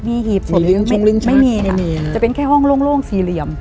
มีลิงชักไม่มีค่ะจะเป็นแค่ห้องโล่งสี่เหลี่ยม